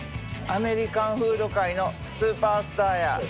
アメリカンフード界のスーパースターや。